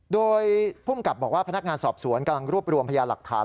โดยภูมิกับบอกว่าพนักงานสอบสวนกำลังรวบรวมพยาหลักฐาน